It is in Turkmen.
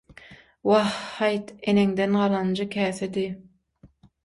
- Wah... haýt... Eneňden galanja käsedi...